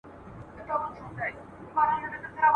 او په ژمي اورېدلې سختي واوري ..